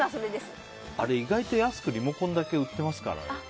あれ、意外と安くリモコンだけ売ってますからね。